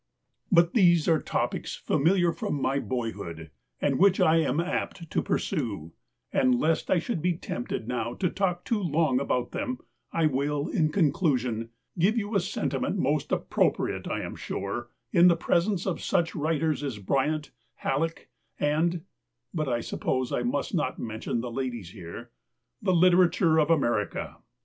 154 DICKENS But these are topics familiar from my boy hood, and which I am apt to pursue; and lest I should be tempted now to talk too long about them, I will, in conclusion, give you a sentiment, most appropriate, I am sure, in the presence of such writers as Bryant, Halleck, and — but I suppose I must not mention the ladies here — "The Literature of America."